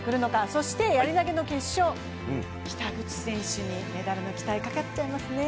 そしてやり投の決勝、北口選手にメダルの期待かかっちゃいますね。